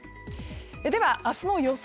では、明日の予想